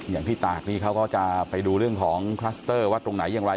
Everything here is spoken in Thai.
อย่างพี่ตากนี่เขาก็จะไปดูเรื่องของคลัสเตอร์ว่าตรงไหนอย่างไร